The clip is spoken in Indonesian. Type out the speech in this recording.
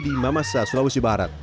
di mamasa sulawesi barat